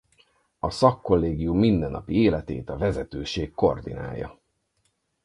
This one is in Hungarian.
A szakkollégium mindennapi életét a vezetőség koordinálja.